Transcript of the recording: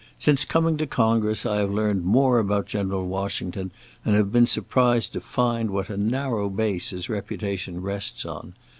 Since coming to Congress I have learned more about General Washington, and have been surprised to find what a narrow base his reputation rests on.